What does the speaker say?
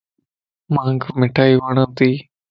مانک مٺائي وڙتي